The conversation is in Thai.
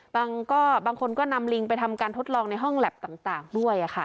บางคนก็นำลิงไปทำการทดลองในห้องแล็บต่างด้วยค่ะ